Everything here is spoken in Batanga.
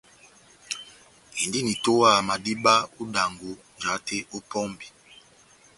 Indini itowaha madíba ó idangɔ, jahate ó pɔmbi.